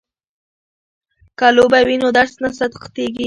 که لوبه وي نو درس نه سختيږي.